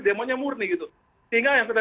demonya murni gitu sehingga yang sudah